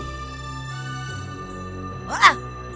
kalian semuanya sudah dibodohi